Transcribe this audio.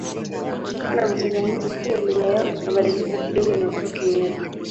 Kutokana na mchanganyiko huo lugha yao ikabadilika kidogo na kuwa Kimeru